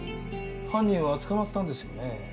犯人は捕まったんですよね？